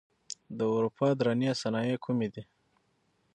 د اروپا درنې صنایع کومې دي؟